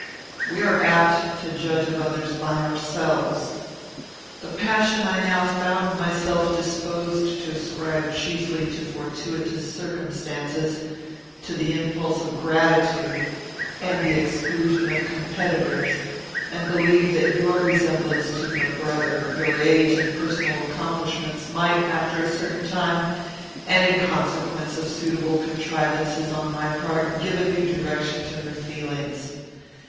We are apt to judge of others by ourselves. The passion I now found myself disposed to ascribe chiefly to fortuitous circumstances; to the impulse of gratitude, and the exclusion of competitors; and believed that your resemblance to her brother, your age and personal accomplishments, might, after a certain time, and in consequence of suitable contrivances on my part, give a new direction to her feelings.